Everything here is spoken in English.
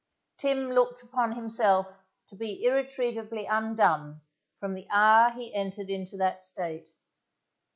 Tim looked upon himself to be irretrievably undone from the hour he entered into that state.